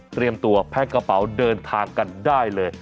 เตรียมตัวแพ่งกระเป๋าเดินทางกันได้เลย